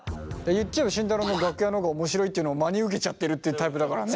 言っちゃえば慎太郎の楽屋の方がおもしろいっていうのを真に受けちゃってるっていうタイプだからね。